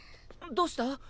どうした？